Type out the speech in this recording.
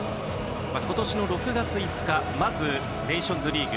今年の６月５日まずネーションズリーグ